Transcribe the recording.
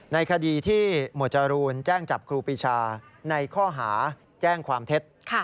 ในคดีที่หมวดจรูนแจ้งจับครูปีชาในข้อหาแจ้งความเท็จ